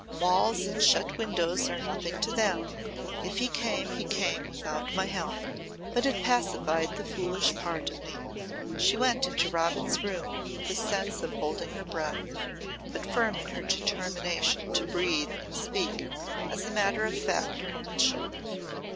Walls and shut windows are nothing to them. If he came, he came without my help. But it pacified the foolish part of me." She went into Robin's room with a sense of holding her breath, but firm in her determination to breathe and speak as a matter of fact woman should.